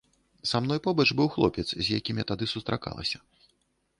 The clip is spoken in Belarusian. Са мной побач быў хлопец, з якім я тады сустракалася.